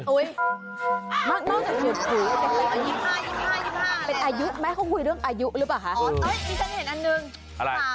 อุ้ยมั่วจะถือปุ๋ยอ๋อ๒๕๒๕๒๕เป็นอายุไหมเขาคุยเรื่องอายุหรือเปล่าค่ะ